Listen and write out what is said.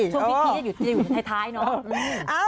ช่วงพี่จะอยู่ท้ายเนอะ